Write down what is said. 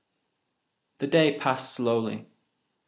The day passed slowly.